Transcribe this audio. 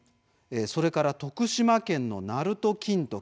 それから徳島県の「なると金時」